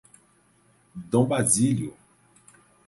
Dom Basílio